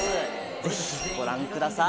ぜひご覧ください。